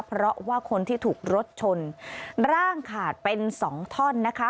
เพราะว่าคนที่ถูกรถชนร่างขาดเป็นสองท่อนนะคะ